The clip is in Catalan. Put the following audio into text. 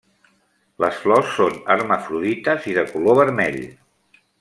Les flors són hermafrodites i de color vermell.